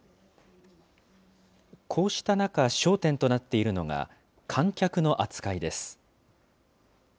こうした中、焦点となっているのが、観客の扱いです。